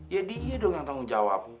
ya dia dong yang tanggung jawab